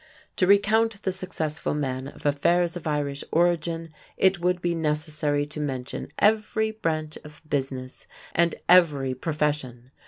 To recount the successful men of affairs of Irish origin it would be necessary to mention every branch of business and every profession.